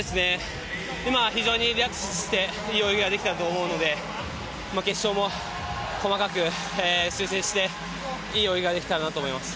非常にリラックスしていい泳ぎができたと思うので決勝も、細かく修正していい泳ぎができたらと思います。